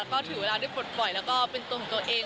ก็ถือเวลาได้ปลดปล่อยแล้วก็เป็นตัวของตัวเอง